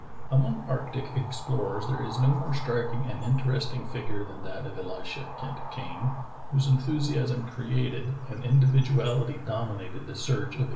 Among arctic explorers there is no more striking and interesting figure than that of Elisha Kent Kane, whose enthusiasm created and individuality dominated the search of 1853.